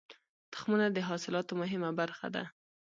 تخمونه د حاصلاتو مهمه برخه ده.